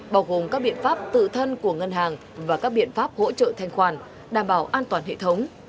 bao gồm các biện pháp tự thân của ngân hàng và các biện pháp hỗ trợ thanh khoản đảm bảo an toàn hệ thống